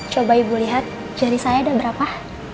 coba ibu lihat jari saya ada berapa